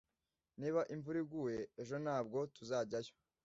Niba imvura iguye ejo, ntabwo tuzajyayo.